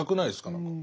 何か。